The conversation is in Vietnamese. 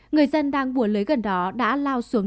người dân đang bùa lấy gần đó đã lao xuống